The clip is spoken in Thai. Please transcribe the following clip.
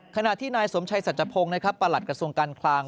ขณะที่นายสมชัยสัจพงศ์นะครับประหลัดกระทรวงการคลัง